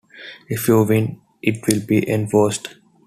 If you win, it will be enforced.